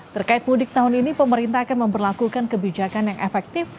terkait mudik tahun ini pemerintah akan memperlakukan kebijakan yang efektif